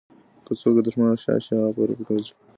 که څوک له دښمنه شا شي، هغه په رپ کې وژل کیږي.